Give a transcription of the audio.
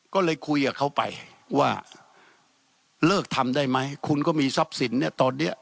ก็เลยคุยกับเขาไปว่าเลิกทำได้ไหมคุณก็มีทรัพย์สินเนี่ยตอนเนี้ย